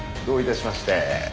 どういたしまして。